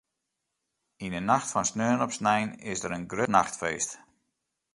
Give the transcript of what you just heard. Yn 'e nacht fan sneon op snein is der in grut nachtfeest.